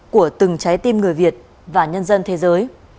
của từng trái tim người việt và nhân dân thế giới